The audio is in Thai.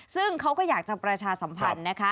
ซึ่งเขาก็อยากจะประชาสัมพันธ์นะคะ